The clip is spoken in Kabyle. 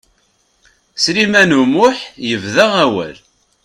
Sliman U Muḥ yebda awal.